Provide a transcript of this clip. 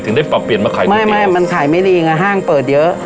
ถึงได้ปรับเปลี่ยนมาขายก๋วยเตี๋ยวไม่มันขายไม่ดีไงห้างเปิดเยอะ